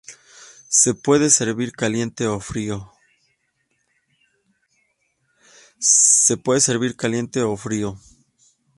Se puede servir caliente o frío.